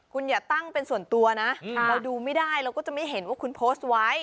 คุณอย่าตั้งเป็นส่วนตัวนะเราดูไม่ได้เราก็จะไม่เห็นว่าคุณโพสต์ไว้